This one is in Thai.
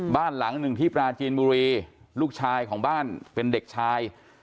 บ้านหลังหนึ่งที่ปราจีนบุรีลูกชายของบ้านเป็นเด็กชาย